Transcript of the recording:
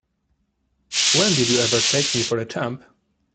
When did you ever take me for a chump?